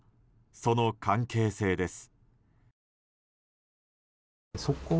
その関係性です。